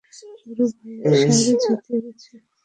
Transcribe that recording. গুরু ভাইয়ের ষাঁড় জিতে গেছে!